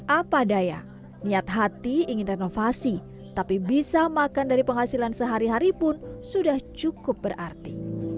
apa daya niat hati ingin renovasi tapi bisa makan dari penghasilan sehari hari pun sudah cukup berarti